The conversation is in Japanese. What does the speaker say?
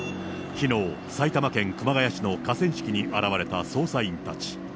きのう、埼玉県熊谷市の河川敷に現れた捜査員たち。